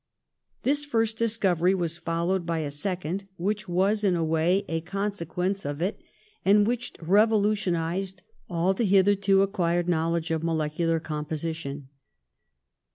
This first discovery was followed by a second, which was in a way a consequence of A LABORIOUS YOUTH 33 it and which revolutionised all the hitherto ac quired knowledge of molecular composition.